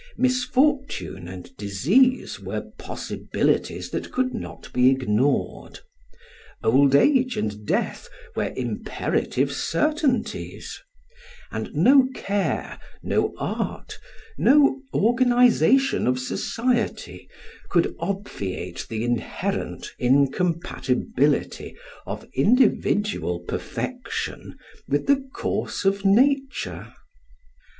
Misfortune and disease were possibilities that could not be ignored; old age and death were imperative certainties; and no care, no art, no organisation of society, could obviate the inherent incompatibility of individual perfection with the course of nature.